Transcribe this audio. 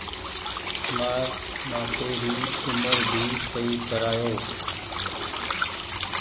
مآر ٻآپي ري اومر ڀي سئي ڪرايو۔